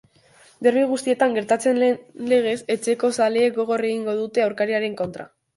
Derbi guztietan gertatzen den legez, etxeko zaleek gogor egingo dute aurkariaren kontra.